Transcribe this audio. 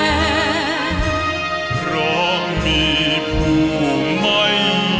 ยอมอาสันก็พระปองเทศพองไทย